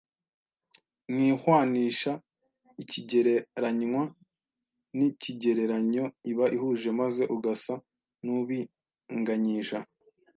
Mu ihwanisha ikigereranywa n’ikigereranyo iba ihuje maze ugasa n’ubinganyisha